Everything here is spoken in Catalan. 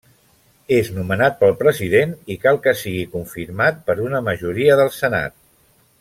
És nomenat pel President i cal que sigui confirmat per una majoria del Senat.